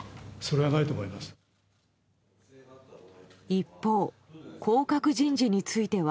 一方、降格人事については。